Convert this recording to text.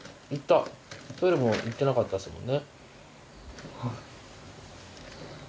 トイレも行ってなかったですもんね。